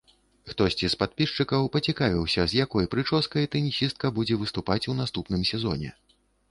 Хтосьці з падпісчыкаў пацікавіўся, з якой прычоскай тэнісістка будзе выступаць у наступным сезоне.